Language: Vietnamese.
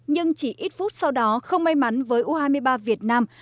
nhưng chỉ ít phút sau đó không may mắn với u hai mươi ba việt nam